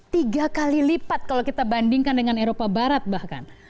tiga kali lipat kalau kita bandingkan dengan eropa barat bahkan